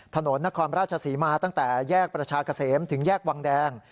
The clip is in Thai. ถนนนครราชศรีมาตั้งแต่แยกประชาเกษมถึงแยกวังแดง